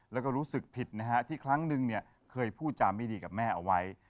แล้วก็รู้สึกผิดนะฮะที่ครั้งนึงเนี่ยเคยพูดจาไม่ดีกับแม่เอาไว้